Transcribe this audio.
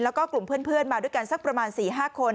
แล้วก็กลุ่มเพื่อนมาด้วยกันสักประมาณ๔๕คน